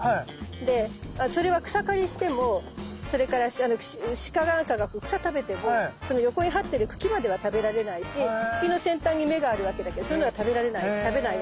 でそれは草刈りしてもそれからシカなんかが草食べてもその横にはってる茎までは食べられないし茎の先端に芽があるわけだけどそういうのは食べられない食べないわけ。